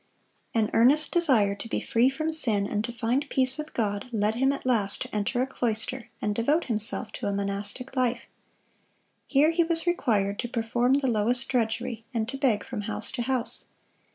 An earnest desire to be free from sin and to find peace with God, led him at last to enter a cloister, and devote himself to a monastic life. Here he was required to perform the lowest drudgery, and to beg from house to house.